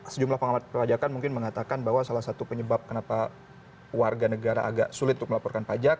sejumlah pengamat pajakan mungkin mengatakan bahwa salah satu penyebab kenapa warga negara agak sulit untuk melaporkan pajak